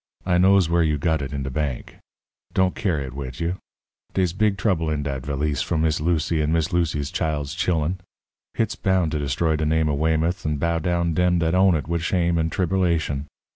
I knows where you got it in de bank. Don' kyar' it wid you. Dey's big trouble in dat valise for Miss Lucy and Miss Lucy's child's chillun. Hit's bound to destroy de name of Weymouth and bow down dem dat own it wid shame and triberlation.